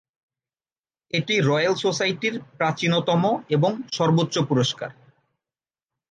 এটি রয়েল সোসাইটির প্রাচীনতম এবং সর্বোচ্চ পুরস্কার।